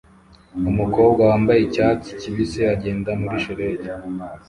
Umukobwa wambaye icyatsi kibisi agenda muri shelegi